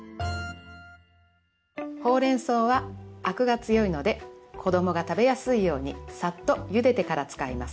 ほうれんそうはアクが強いので子どもが食べやすいようにさっとゆでてから使います。